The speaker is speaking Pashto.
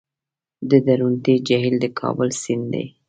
د درونټې جهیل د کابل سیند دی